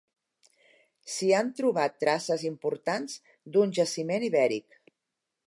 S'hi han trobat traces importants d'un jaciment ibèric.